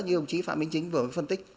như ông chí phạm minh chính vừa mới phân tích